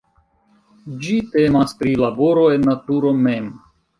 Ĝi temas pri laboro en naturo mem.